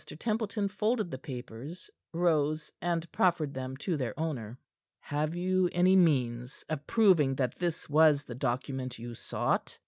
Templeton folded the papers, rose, and proffered them to their owner. "Have you any means of proving that this was the document you sought?"